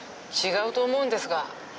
違うと思うんですが。